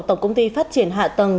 tổng công ty phát triển hạ tầng